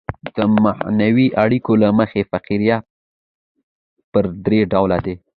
د معنوي اړیکو له مخه فقره پر درې ډوله ده.